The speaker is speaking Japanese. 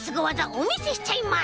おみせしちゃいます！